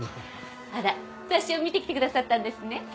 あら雑誌を見て来てくださったんですね。